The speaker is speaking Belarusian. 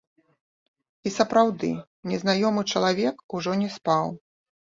І сапраўды незнаёмы чалавек ужо не спаў.